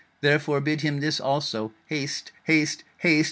Therefore bid him this also. Haste, haste, haste!